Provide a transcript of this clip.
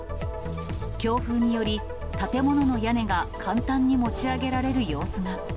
強風により、建物の屋根が簡単に持ち上げられる様子が。